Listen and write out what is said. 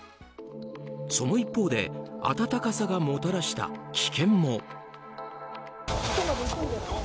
その一方で暖かさがもたらした危険も。